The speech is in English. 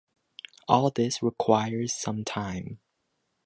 All this requires some time.